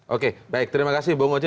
oke baik terima kasih bung oce